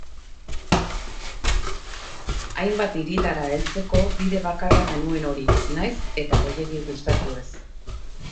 Hainbat hiritara heltzeko bide bakarra genuen hori, nahiz eta gehiegi gustatu ez.